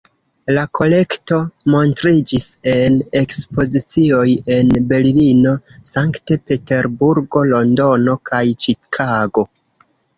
La kolekto montriĝis en ekspozicioj en Berlino, Sankt-Peterburgo, Londono kaj Ĉikago.